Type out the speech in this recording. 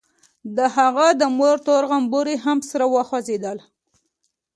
د هغه د مور تور غومبري هم سره وخوځېدل.